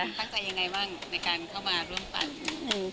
ตั้งใจยังไงบ้างในการเข้ามาร่วมปั่น